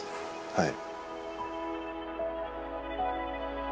はい。